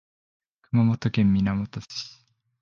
熊本県水俣市